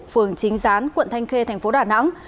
phường chính gián quận thanh khê thành phố đà nẵng